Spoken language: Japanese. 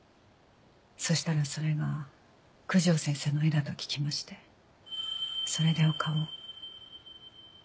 そしたらそれが九条先生の絵だと聞きましてそれでお顔を。